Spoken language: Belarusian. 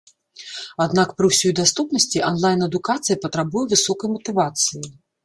Аднак пры ўсёй даступнасці анлайн-адукацыя патрабуе высокай матывацыі.